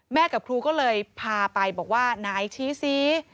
กับครูก็เลยพาไปบอกว่าไหนชี้ซิ